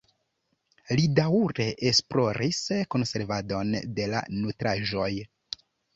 Li daŭre esploris konservadon de la nutraĵoj.